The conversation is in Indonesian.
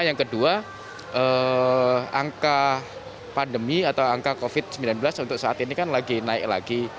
yang kedua angka pandemi atau angka covid sembilan belas untuk saat ini kan lagi naik lagi